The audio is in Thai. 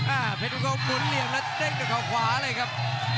อ้าวเผ็ดวิโกหมุนเหลี่ยมและเด้งด้วยเขาขวาเลยครับ